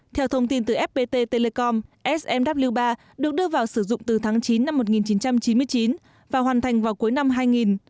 theo thông tin từ fpt telecom smw ba được đưa vào sử dụng từ tháng chín năm một nghìn chín trăm chín mươi chín và hoàn thành vào cuối năm hai nghìn